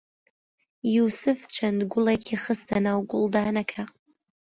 یووسف چەند گوڵێکی خستە ناو گوڵدانەکە.